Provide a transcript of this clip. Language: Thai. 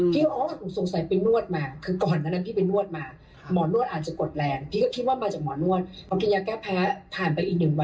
พี่ก็พบว่าอ่ะสงสัยไปนวดมาคือก่อนนั้นนั้นพี่ไปนวดมา